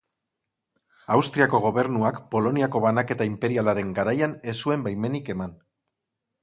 Austriako gobernuak Poloniako banaketa inperialaren garaian ez zuen baimenik eman.